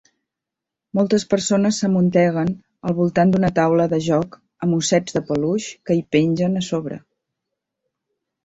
Moltes persones s'amunteguen al voltant d'una taula de joc amb ossets de peluix que hi pengen a sobre.